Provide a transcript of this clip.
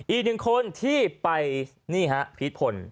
อีกหนึ่งคนที่ไปนี่ฮะพีชพล